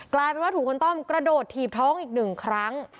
กลายเป็นว่าถูกคนต้อมกระโดดถีบท้องอีกหนึ่งครั้ง